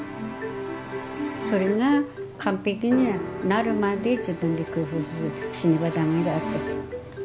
それが完璧になるまで自分で工夫しねばダメだって。